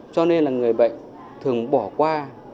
cho nên là người bệnh thường bỏ qua